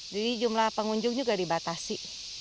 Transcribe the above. jadi jumlah pengunjung juga dibatasi